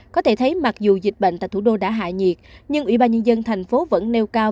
có thể thấy mặc dù dịch bệnh tại thủ đô đã hạ nhiệt nhưng ubnd thành phố vẫn nêu cao